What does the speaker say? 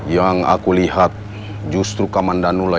yang aku lihat justru kamandanula